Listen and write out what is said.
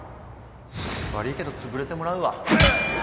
悪いけどつぶれてもらうわ